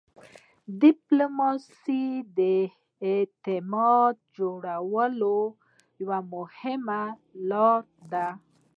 ډيپلوماسي د اعتماد جوړولو یوه مهمه لار ده.